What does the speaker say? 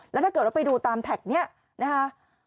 แล้วถ้าเกิดว่าไปดูตามแท็กนี้นะคะ